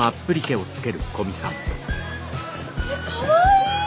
かわいい！